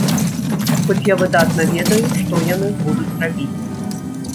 Хоць я выдатна ведаю, што яны будуць рабіць.